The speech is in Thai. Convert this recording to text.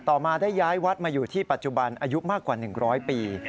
ต่อมาได้ย้ายวัดมาอยู่ที่ปัจจุบันอายุมากกว่า๑๐๐ปี